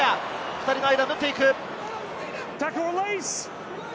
２人の間を縫っていく！